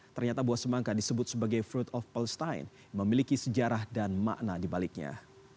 ternyata buah semangka disebut sebagai fruit of palestine memiliki sejarah dan makna dibaliknya